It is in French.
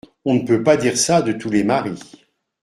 On ne peut pas dire ça de tous les maris.